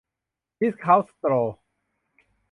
ดิสเคานต์สโตร์